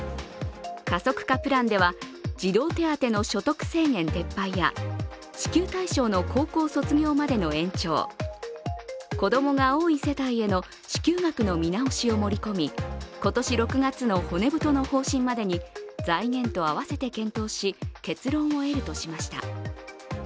加速化プランでは、児童手当の所得制限撤廃や支給対象の高校卒業までの延長、子供が多い世帯への支給額の見直しを盛り込み、今年６月の骨太の方針までに財源と併せて検討し結論を得るとしました。